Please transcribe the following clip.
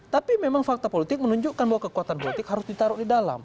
tapi memang fakta politik menunjukkan bahwa kekuatan politik harus ditaruh di dalam